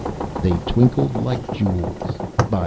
_ they twinkled like jewels _by